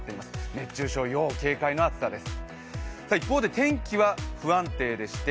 熱中症、要警戒の暑さです。